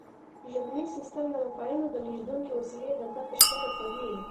ژبنی سیستم د مفاهیمو د لیږدونکې وسیلې دنده ترسره کوي